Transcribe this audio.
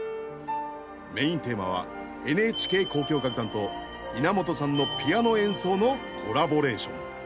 メインテーマはＮＨＫ交響楽団と稲本さんのピアノ演奏のコラボレーション。